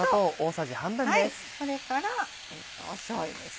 それからしょうゆです。